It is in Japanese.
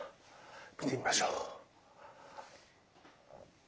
見てみましょう。